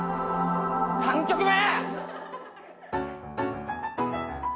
３曲目！